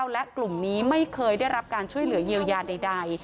และกลุ่มนี้ไม่เคยได้รับการช่วยเหลือเยียวยาใด